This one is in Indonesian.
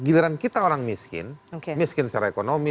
giliran kita orang miskin miskin secara ekonomi